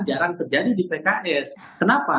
jarang terjadi di pks kenapa